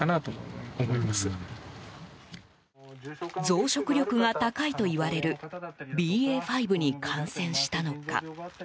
増殖力が高いといわれるＢＡ．５に感染したのか。